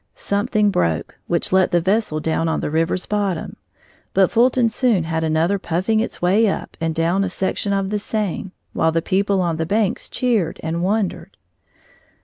Something broke, which let the vessel down on to the river's bottom, but Fulton soon had another puffing its way up and down a section of the Seine, while the people on the banks cheered and wondered.